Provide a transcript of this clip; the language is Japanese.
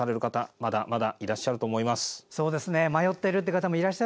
まだまだいらっしゃると思います。